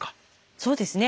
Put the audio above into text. そうですね。